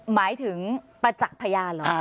หมายถึงประจักษ์พยานเหรอ